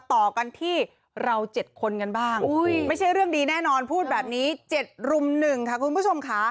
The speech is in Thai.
ต่อกันที่เรา๗คนกันบ้างไม่ใช่เรื่องดีแน่นอนพูดแบบนี้๗รุ่ม๑ค่ะคุณผู้ชมค่ะ